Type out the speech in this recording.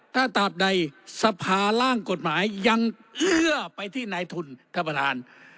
ถ้าตอบใดสภาร่างกฎหมายยังไปที่หนายทุน